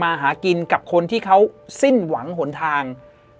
มาหากินกับคนที่เขาสิ้นหวังหนทาง